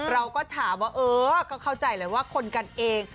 เราก็ถามว่าเออก็เข้าใจเลยว่าคนกันเอง